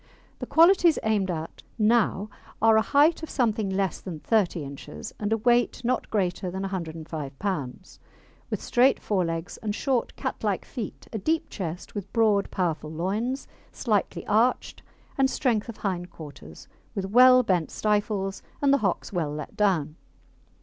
The qualities aimed at now are a height of something less than 30 inches, and a weight not greater than 105 lbs., with straight fore legs and short, cat like feet, a deep chest, with broad, powerful loins, slightly arched, and strength of hind quarters, with well bent stifles, and the hocks well let down.